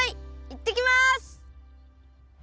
いってきます！